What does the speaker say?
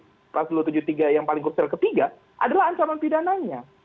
terus pasal dua puluh tujuh ayat tiga yang paling kursial ketiga adalah ancaman pidananya